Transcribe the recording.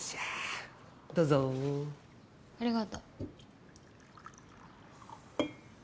どうぞ。ありがと。